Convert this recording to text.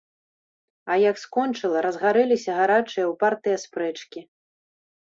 А як скончыла, разгарэліся гарачыя, упартыя спрэчкі.